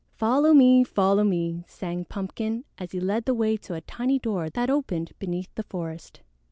"Follow me! Follow me!" sang Pumpkin, as he led the way to a tiny door that opened beneath the forest.